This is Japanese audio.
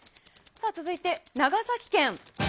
続いて、長崎県。